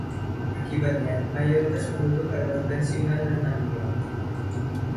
Akibatnya, mayoritas penduduk adalah pensiunun dan manula.